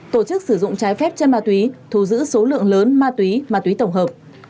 tổ chức sử dụng trái phép chân ma túy thu giữ số lượng lớn ma túy ma túy tổng hợp